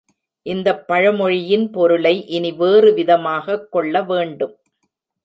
இந்தப் பழமொழியின் பொருளை இனி வேறு விதமாகக் கொள்ள வேண்டும்.